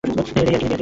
এটা ইয়ার্কি ছিল।